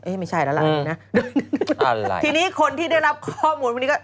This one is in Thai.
ไม่ใช่แล้วล่ะทีนี้คนที่ได้รับข้อมูลวันนี้ก็